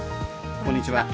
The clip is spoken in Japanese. こんにちは。